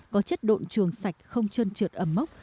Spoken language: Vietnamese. có chất độn trường sạch không trơn trượt ẩm mốc